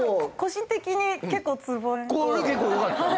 これ結構よかったね。